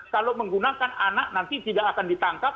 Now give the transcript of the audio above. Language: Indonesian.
kalau menggunakan anak nanti tidak akan ditangkap